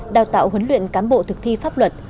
đào tạo huấn luyện cán bộ thực thi pháp luật